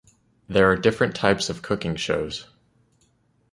There are different types of cooking shows.